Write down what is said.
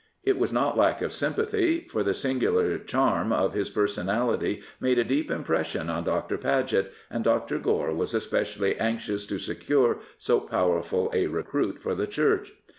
It was not lack of S5nnpathy, for the singular charm of his personality made a deep impression on Dr. Paget, and Dr. Gore was especially anxious to secure so powerful a recruit for the Church.